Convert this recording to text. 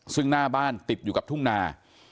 ซึ่งหน้าบ้านติดอยู่กับทุ่งนา